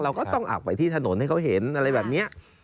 ก็ต้องอับไปที่ถนนให้เขาเห็นอะไรแบบนี้